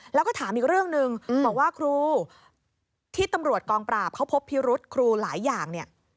แล้วก็ถามอีกเรื่องหนึ่งบอกว่าครูที่ตำรวจกองปราบเขาพบพิรุษครูหลายอย่างเนี่ย